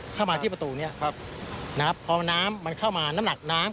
เข้ามาที่ประตูนี้ครับนะครับพอน้ำมันเข้ามาน้ำหนักน้ำ